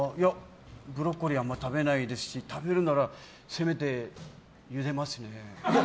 ブロッコリーはあんまり食べないですし食べるなら、せめてゆでますね。